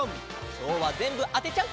きょうはぜんぶあてちゃう！